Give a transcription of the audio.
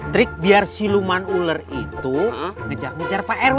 trik biar siluman ular itu ngejar ngejar pak rw